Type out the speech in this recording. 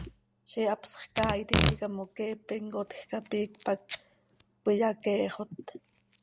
Ziix hapsx caaitim quih icamoqueepe imcotj cap iicp hac cöiyaqueexot.